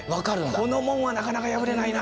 この門はなかなか破れないな。